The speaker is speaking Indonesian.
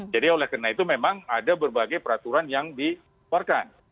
jadi oleh karena itu memang ada berbagai peraturan yang dikeluarkan